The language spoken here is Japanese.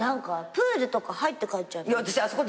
プールとか入って帰っちゃえば。